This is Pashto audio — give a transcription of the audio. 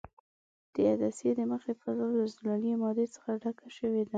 د عدسیې د مخې فضا له زلالیه مادې ډکه شوې ده.